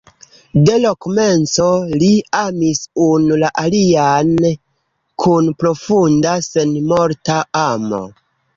De l’komenco ni amis unu la alian kun profunda, senmorta amo.